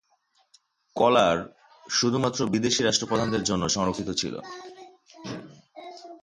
কলার শুধুমাত্র বিদেশী রাষ্ট্রপ্রধানদের জন্য সংরক্ষিত ছিল।